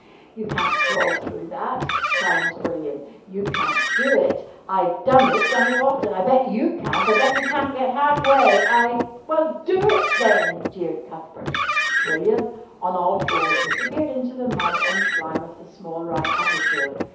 "You can't crawl through that," challenged William, "you can't do it. I've done it, done it often. I bet you can't. I bet you can't get halfway. I " "Well, do it, then!" jeered Cuthbert. William, on all fours, disappeared into the mud and slime of the small round aperture.